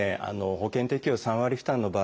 保険適用３割負担の場合